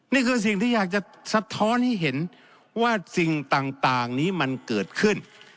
นี่คือสิ่งที่อยากจะสะท้อนให้เห็นว่าสิ่งต่างนี้มันเกิดขึ้น